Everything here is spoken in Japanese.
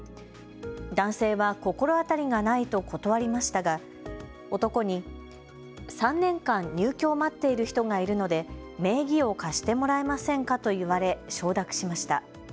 男性は心当たりがないと断りましたが、男に３年間、入居を待っている人がいるので名義を貸してもらえませんかと言われ承諾しました。